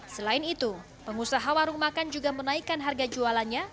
selain itu pengusaha warung makan juga menaikkan harga jualannya